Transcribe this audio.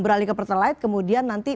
beralih ke pertalite kemudian nanti